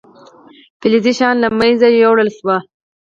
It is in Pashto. فلزي شیان له منځه یوړل شول.